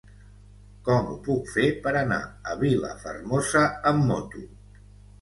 Com ho puc fer per anar a Vilafermosa amb moto?